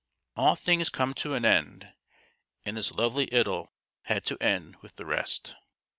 All things come to an end, and this lovely idyl had to end with the rest.